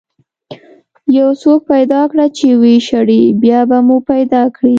یو څوک پیدا کړه چې ويې شړي، بیا به مو پیدا کړي.